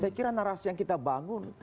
saya kira narasi yang kita bangun